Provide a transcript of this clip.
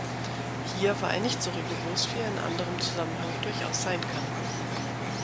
Hier war er nicht so rigoros wie er in anderem Zusammenhang durchaus sein kann.